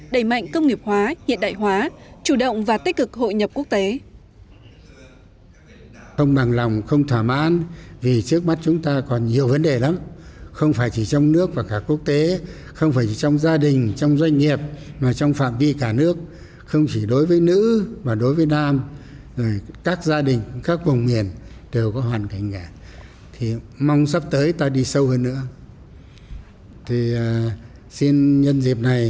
đẩy mạnh công nghiệp hóa hiện đại hóa chủ động và tích cực hội nhập quốc tế